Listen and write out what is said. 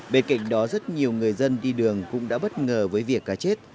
bên cạnh đó rất nhiều người dân đi đường cũng đã bất ngờ với việc cá chết